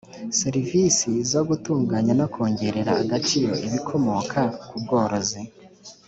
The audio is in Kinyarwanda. serivisi zo gutunganya no kongerera agaciro ibikomoka ku bworozi